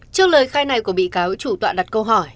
trước lời khai này của bị cáo trùng toạn đặt câu hỏi